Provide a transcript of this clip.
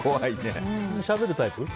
しゃべるタイプ？